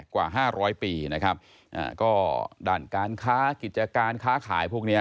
กว่าห้าร้อยปีนะครับก็ด้านการค้ากิจการค้าขายพวกเนี้ย